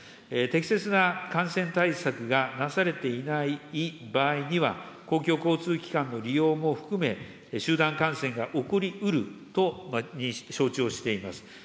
適切な感染対策がなされていない場合には、公共交通機関の利用も含め、集団感染が起こりうると承知をしております。